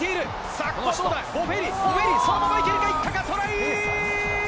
さあ、ここはどうだ、ボフェリ、ボフェリ、そのまま行けるか、トライ。